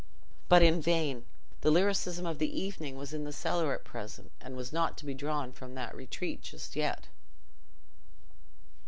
But in vain. The lyricism of the evening was in the cellar at present, and was not to be drawn from that retreat just yet.